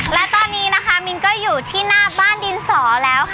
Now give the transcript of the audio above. และตอนนี้นะคะมินก็อยู่ที่หน้าบ้านดินสอแล้วค่ะ